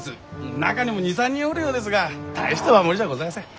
中にも２３人おるようですが大した守りじゃごぜえません。